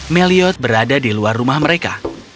meliot berada di luar rumah mereka